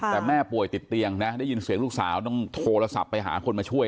แต่แม่ป่วยติดเตียงนะได้ยินเสียงลูกสาวต้องโทรศัพท์ไปหาคนมาช่วย